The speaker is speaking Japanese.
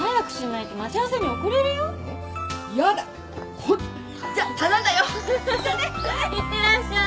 いってらっしゃーい。